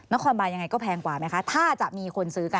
นครบานยังไงก็แพงกว่าไหมคะถ้าจะมีคนซื้อกัน